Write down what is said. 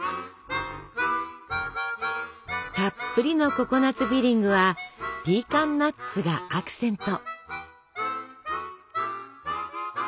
たっぷりのココナツフィリングはピーカンナッツがアクセント。